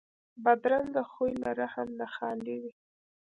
بدرنګه خوی له رحم نه خالي وي